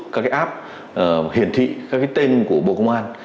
các app hiển thị các tên của bộ công an